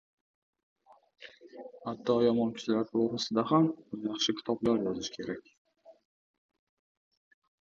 — Hatto yomon kishilar to‘g‘risida ham yaxshi kitoblar yozish kerak.